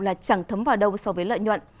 là chẳng thấm vào đâu so với lợi nhuận